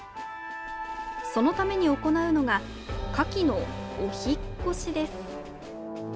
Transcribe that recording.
そのために行うのがカキのお引っ越しです。